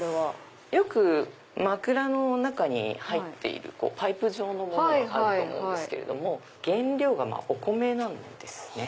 よく枕の中に入っているパイプ状のものがあると思うんですけれども原料がお米なんですね。